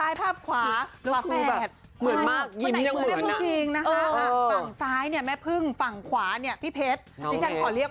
อย่างเงี้ยมันเหมาะมาก